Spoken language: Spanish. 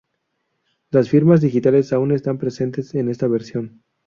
Las firmas digitales aún están presentes en esta versión.